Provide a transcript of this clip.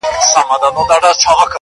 قاضي وکړه فيصله چي دى په دار سي.